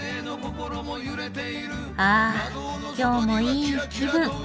あ今日もいい気分。